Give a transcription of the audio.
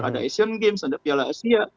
ada asian games ada piala asia